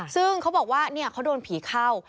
ซึ่งเขาบอกว่าเขาโดนผีเข้า